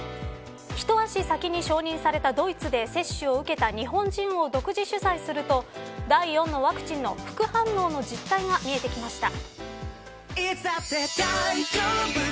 一足先に承認されたドイツで接種を受けた日本人を独自取材すると第４のワクチンの副反応の実態が見えてきました。